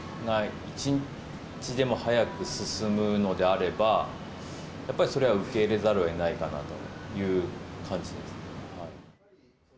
一日でも早く進むのであれば、やっぱりそれは受け入れざるをえないかなという感じですね。